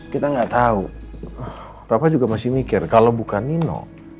kita nggak tahu bapak juga masih mikir kalau bukan nino